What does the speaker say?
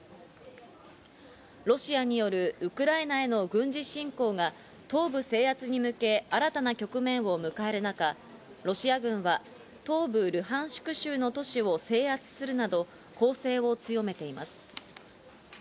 ロシアによるウクライナへの軍事侵攻が東部制圧に向け、新たな局面を迎える中、ロシア軍は東部ルハンシク州の都市を制圧するなど攻勢を強めています。